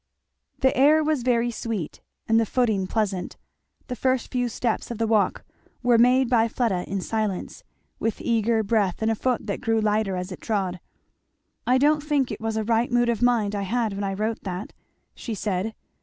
The air was very sweet, the footing pleasant. The first few steps of the walk were made by Fleda in silence, with eager breath and a foot that grew lighter as it trod. "I don't think it was a right mood of mind I had when I wrote that," she said.